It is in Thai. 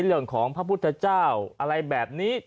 เรื่องของพระพุทธเจ้าอะไรแบบนี้